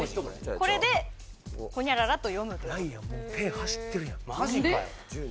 これでホニャララと読むとライアンもうペン走ってるやん何で？